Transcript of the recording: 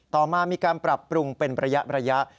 ต่อมามีการปรับปรุงเป็นระยะ